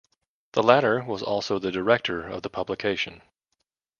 The latter was also the director of the publication.